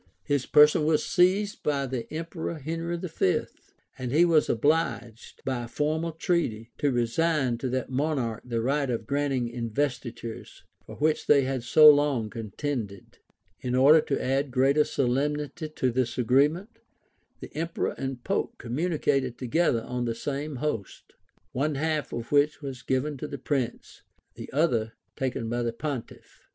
His person was seized by the emperor Henry V., and he was obliged, by a formal treaty, to resign to that monarch the right of granting investitures, for which they had so long contended.[*] In order to add greater solemnity to this agreement, the emperor and pope communicated together on the same host; one half of which was given to the prince, the other taken by the pontiff.